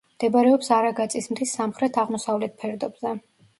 მდებარეობს არაგაწის მთის სამხრეთ-აღმოსავლეთ ფერდობზე.